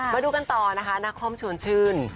มาดูกันต่อนะคะนาคอมชวนชื่น